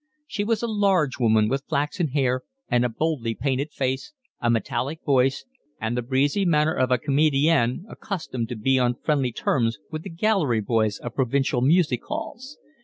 She was a large woman, with flaxen hair, and a boldly painted face, a metallic voice, and the breezy manner of a comedienne accustomed to be on friendly terms with the gallery boys of provincial music halls.